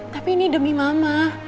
tapi ini demi mama